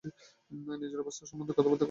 নিজের অবস্থা সম্বন্ধে কথাবার্তা কয় না।